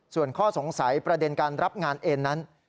ส่วนข้อสงสัยประเด็นการรับงานเอ็นนั้น